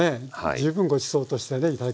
十分ごちそうとしてね頂けますよね。